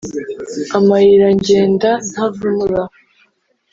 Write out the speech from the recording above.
Amayira ngenda ntavunura.